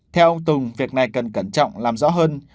theo ông tùng việc này cần cẩn trọng làm rõ hơn